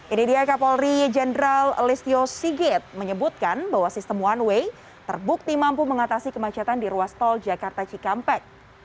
ini dia kapolri jenderal listio sigit menyebutkan bahwa sistem one way terbukti mampu mengatasi kemacetan di ruas tol jakarta cikampek